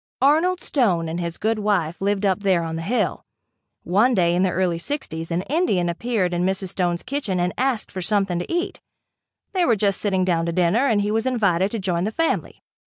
Arnold Stone and his good wife lived up there on the hill. One day in the early 60's an Indian appeared in Mrs. Stone's kitchen and asked for something to eat. They were just sitting down to dinner and he was invited to join the family.